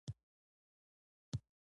جوار لوبیا ته تکیه ورکوي.